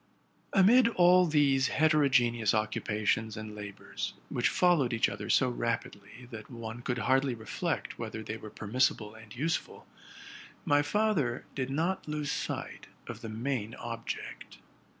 120 TRUTH AND FICTION Amid all these heterogeneous occupations and labors, which followed each other so rapidly that one could hardly reflect whether they were permissible and useful, my father did not lose sight of the main object.